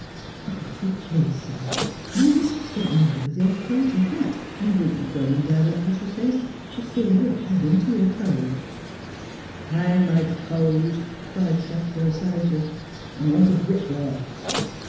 ' Oh, if you please, sir, my mistress sent me out with your coat and hat, and will you go in directly, she says, for fear of adding to your cold V ' Hang my cold !' cried Shafto savagely, ' I want a brick layer.'